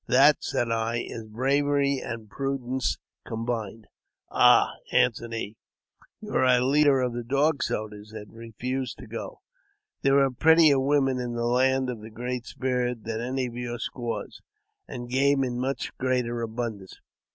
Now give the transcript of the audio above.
" That," said I, " is bravery and pru dence combined." " Ah !" answered he, " you a leader of the Dog Soldiers, and refuse to go ! There are prettier women in the land of the Great Spirit than any of your squaws, and game in much greater abundance.